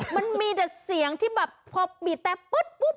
มันมีแต่เสียงที่แบบพอบีบแต่ปุ๊บ